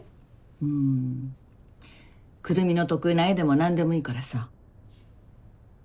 うんくるみの得意な絵でも何でもいいからさ。